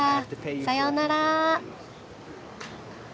さようなら。